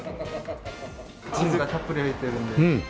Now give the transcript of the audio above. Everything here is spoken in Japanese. チーズがたっぷり入ってるんで。